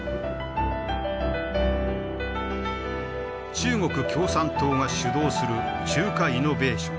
中国共産党が主導する中華イノベーション。